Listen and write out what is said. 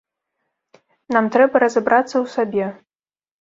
Нам трэба разабрацца ў сабе.